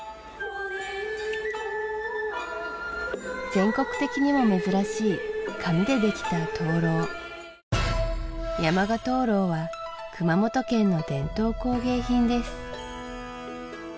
全国的にも珍しい紙でできた灯籠山鹿灯籠は熊本県の伝統工芸品です